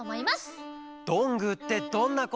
「どんぐーってどんなこ？」